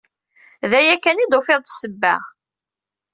D aya kan i d-tufiḍ d ssebba?